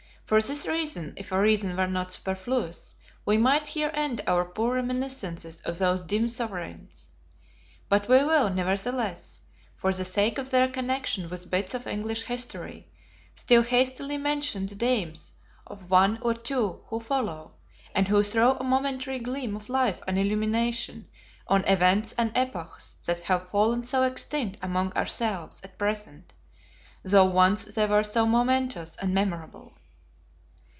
For this reason, if a reason were not superfluous, we might here end our poor reminiscences of those dim Sovereigns. But we will, nevertheless, for the sake of their connection with bits of English History, still hastily mention the Dames of one or two who follow, and who throw a momentary gleam of life and illumination on events and epochs that have fallen so extinct among ourselves at present, though once they were so momentous and memorable.